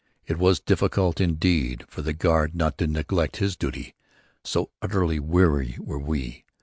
It was difficult indeed for the guard not to neglect his duty, so utterly weary were we.